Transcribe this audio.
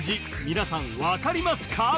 皆さん分かりますか？